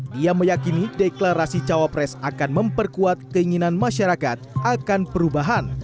dia meyakini deklarasi cawapres akan memperkuat keinginan masyarakat akan perubahan